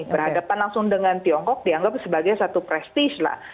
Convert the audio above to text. berhadapan langsung dengan tiongkok dianggap sebagai satu prestis lah